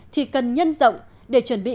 thì cần nhân rộng để chuẩn bị